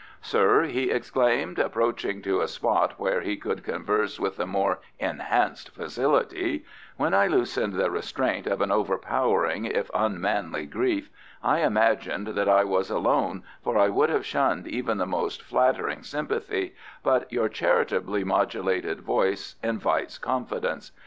"Sir," he exclaimed, approaching to a spot where he could converse with a more enhanced facility, "when I loosened the restraint of an overpowering if unmanly grief, I imagined that I was alone, for I would have shunned even the most flattering sympathy, but your charitably modulated voice invites confidence.